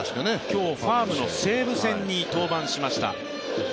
今日、ファームの西武戦に登板しました。